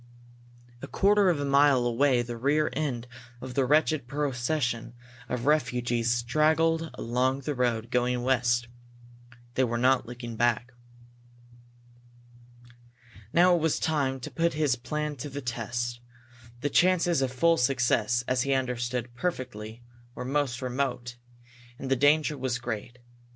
A quarter of a mile away the rear end of the wretched procession of refugees straggled along the road, going west. They were not looking back. Now it was time to put his plan to the test. The chances of full success, as he understood perfectly, were most remote. And the danger was great.